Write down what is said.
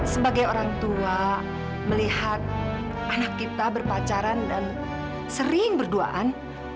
sebagai orang tua melihat anak kita berpacaran dan sering berduaan